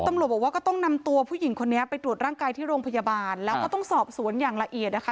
ตำรวจบอกว่าก็ต้องนำตัวผู้หญิงคนนี้ไปตรวจร่างกายที่โรงพยาบาลแล้วก็ต้องสอบสวนอย่างละเอียดนะคะ